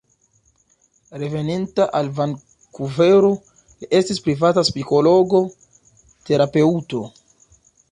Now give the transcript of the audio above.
Reveninta al Vankuvero li estis privata psikologo-terapeuto.